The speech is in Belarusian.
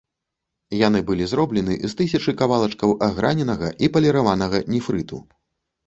Яны былі зроблены з тысячы кавалачкаў аграненага і паліраванага нефрыту.